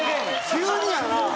急にやな。